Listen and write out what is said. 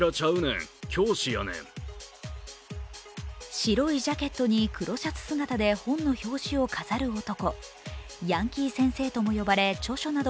白いジャケットに黒シャツ姿で本の表紙を飾る男。